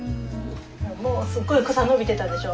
もうすごい草伸びてたでしょ？